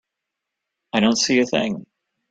I don't see a thing.